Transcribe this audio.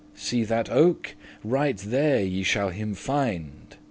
See ye that oak? right there ye shall him find.